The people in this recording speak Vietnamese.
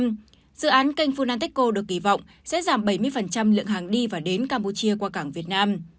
tuy nhiên dự án kênh phunanteco được kỳ vọng sẽ giảm bảy mươi lượng hàng đi và đến campuchia qua cảng việt nam